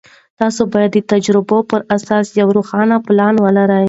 تاسې باید د تجربو پر اساس یو روښانه پلان ولرئ.